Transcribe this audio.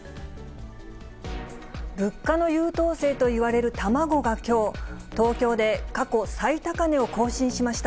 物価の優等生といわれる卵がきょう、東京で過去最高値を更新しました。